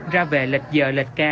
ra về lệch giờ lệch ca